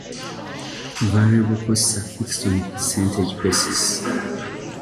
Variable costs are fixed on a percentage basis.